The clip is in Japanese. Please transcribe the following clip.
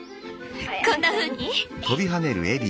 こんなふうに？